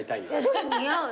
でも似合うよね。